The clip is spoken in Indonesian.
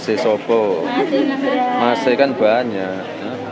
masih sobo masih kan banyak